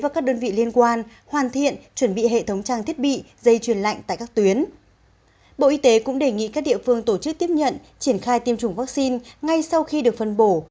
các địa phương tổ chức tiếp nhận triển khai tiêm chủng vaccine ngay sau khi được phân bổ